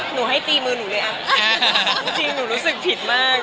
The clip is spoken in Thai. หนูให้ตีมือหนูเลยอ่ะจริงจริงหนูรู้สึกผิดมาก